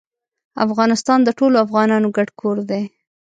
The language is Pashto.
افغانستان د ټولو افغانانو ګډ کور دی.